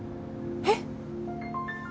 えっ？